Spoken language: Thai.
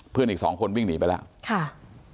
เพื่อนอีก๒คนวิ่งหนีไปแล้ว